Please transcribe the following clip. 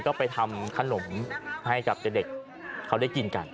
ก็ไปทำขนมให้กับเด็กเขาได้กินกัน